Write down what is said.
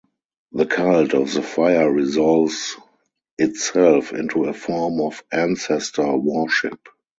The cult of the fire resolves itself into a form of ancestor-worship.